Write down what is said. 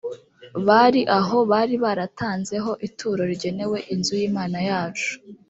bari aho bari baratanzeho ituro rigenewe inzu y’imana yacu